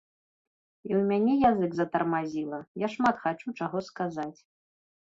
І ў мяне язык затармазіла, я шмат хачу чаго сказаць.